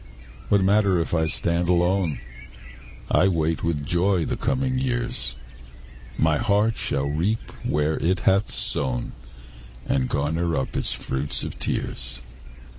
What matter if I stand alone? I wait with joy the coming years; My heart shall reap where it hath sown, And garner up its fruit of tears.